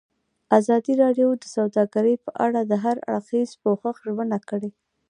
ازادي راډیو د سوداګري په اړه د هر اړخیز پوښښ ژمنه کړې.